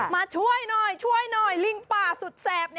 มาช่วยหน่อยลิงป่าสุดแสบ